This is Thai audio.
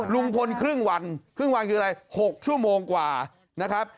ลุงพลครึ่งวันครึ่งวันคืออะไร๖ชั่วโมงกว่านะครับ